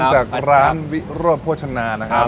จากร้านวิโรธโภชนานะครับ